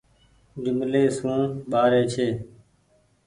جملي سون ٻآري ڇي۔